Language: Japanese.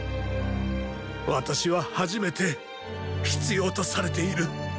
私は初めて必要とされている。